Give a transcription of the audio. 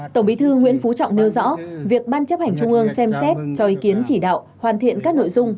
tổng bí thư nguyễn phú trọng nêu rõ việc ban chấp hành trung ương xem xét cho ý kiến chỉ đạo hoàn thiện các nội dung